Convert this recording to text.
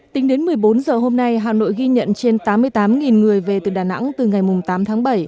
tính đến một mươi bốn h hôm nay hà nội ghi nhận trên tám mươi tám người về từ đà nẵng từ ngày tám tháng bảy